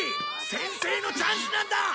先制のチャンスなんだ！